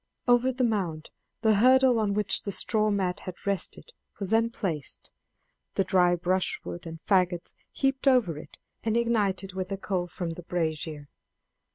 Over the mound the hurdle on which the straw mat had rested was then placed, the dry brushwood and faggots heaped over it and ignited with a coal from the brazier.